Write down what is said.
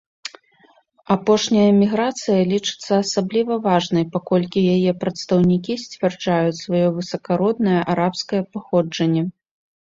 Апошняя міграцыя лічыцца асабліва важнай, паколькі яе прадстаўнікі сцвярджаюць сваё высакароднае арабскае паходжанне.